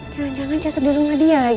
jangan jangan jatuh di rumah dia lagi